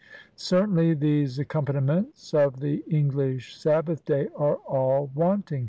Certainly these accompaniments of the English Sabbath day are all wanting.